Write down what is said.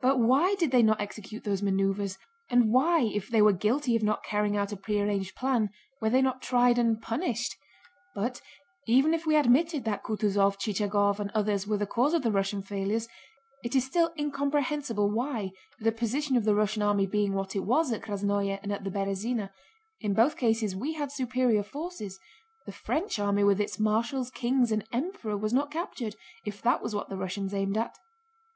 But why did they not execute those maneuvers? And why if they were guilty of not carrying out a prearranged plan were they not tried and punished? But even if we admitted that Kutúzov, Chichagóv, and others were the cause of the Russian failures, it is still incomprehensible why, the position of the Russian army being what it was at Krásnoe and at the Berëzina (in both cases we had superior forces), the French army with its marshals, kings, and Emperor was not captured, if that was what the Russians aimed at.